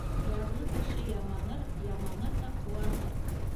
Ярлы кеше яманыр, яманыр ҙа ҡыуаныр.